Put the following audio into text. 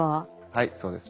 はいそうです。